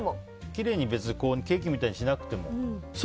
きれいにケーキみたいにしなくても？